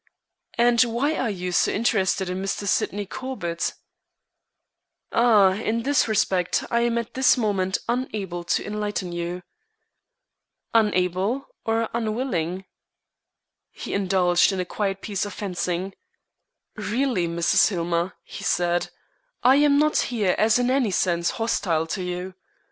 "And why are you interested in Mr. Sydney Corbett?" "Ah, in that respect I am at this moment unable to enlighten you." "Unable, or unwilling?" He indulged in a quiet piece of fencing: "Really, Mrs. Hillmer," he said, "I am not here as in any sense hostile to you.